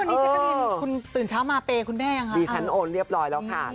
วันนี้จั๊กีรีนคุณตื่นเช้ามาเปย์คุณแม่อย่างไรอื้อ